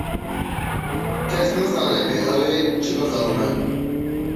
Kes nizane bê ew ê çi biqewime.